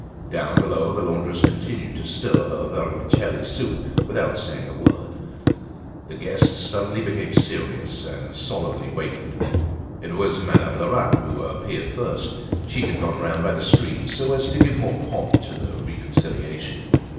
Down below the laundress continued to stir her vermicelli soup without saying a word. The guests suddenly became serious and solemnly waited. It was Madame Lerat who appeared first. She had gone round by the street so as to give more pomp to the reconciliation.